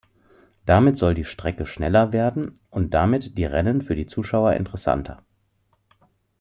Damit soll die Strecke schneller werden und damit die Rennen für die Zuschauer interessanter.